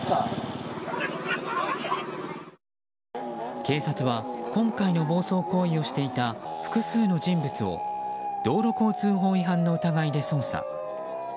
警察は今回の暴走行為をしていた複数の人物を道路交通法違反の疑いで捜査。